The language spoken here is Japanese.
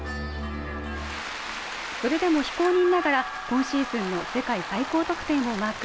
それでも非公認ながら今シーズンの世界最高得点をマーク。